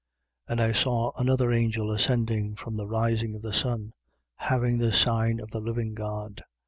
7:2. And I saw another angel ascending from the rising of the sun, having the sign of the living God.